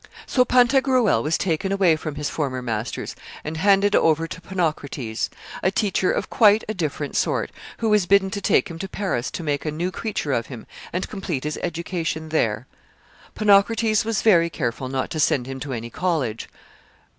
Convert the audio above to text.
So Pantagruel was taken away from his former masters and handed over to Ponocrates, a teacher of quite a different sort, who was bidden to take him to Paris to make a new creature of him and complete his education there. Ponocrates was very careful not to send him to any college.